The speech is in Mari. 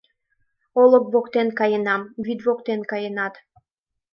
Олык воктен каенам, вӱд воктен каенат